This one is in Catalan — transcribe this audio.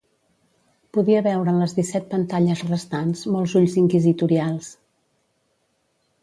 Podia veure en les disset pantalles restants molts ulls inquisitorials.